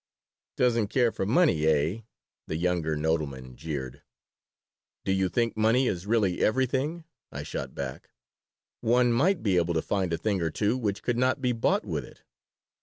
"Doesn't care for money, eh?" the younger Nodelman jeered "Do you think money is really everything?" I shot back. "One might be able to find a thing or two which could not be bought with it."